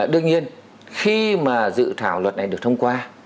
đương nhiên khi mà dự thảo luật này được thông qua